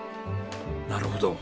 なるほど。